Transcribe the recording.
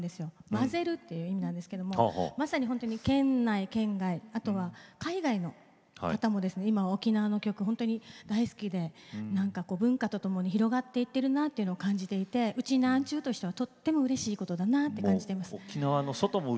混ぜるっていう意味なんですけどまさに県内、県外あとは海外の方も今は沖縄の曲、本当に大好きで、文化とともに広がっていってるなというのを感じていてうちなーんちゅとしてはとってもうれしいことだなと感じています。